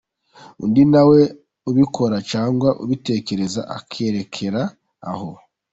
Undi na we ubikora cyangwa ubitekereza akarekera aho.